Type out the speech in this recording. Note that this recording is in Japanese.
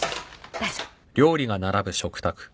大丈夫。